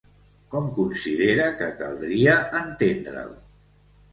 Com considera que caldria entendre'l?